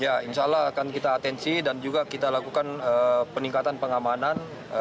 ya insya allah akan kita atensi dan juga kita lakukan peningkatan pengamanan